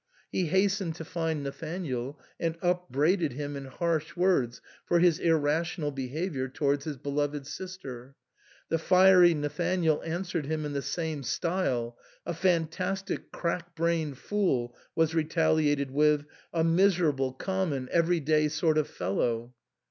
He hastened to find Nathanael, and upbraided him in harsh words for his irrational behaviour towards his beloved sister. The fiery Nathanael answered him in the same style. " A fantastic, crack brained fool," was retaliated with, "A miserable, common, everyday sort of fellow."